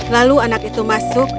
lalu anak itu masuk